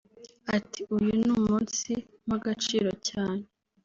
Ati “Uyu ni umunsi mpa agaciro cyane